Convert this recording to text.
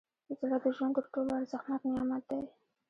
زړه د ژوند تر ټولو ارزښتناک نعمت دی.